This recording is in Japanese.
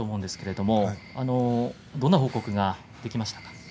どんな報告ができましたか？